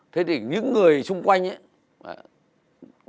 thế thì những người xung quanh ấy